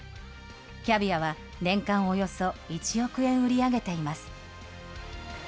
キャビアは年間およそ１億円売り上げています。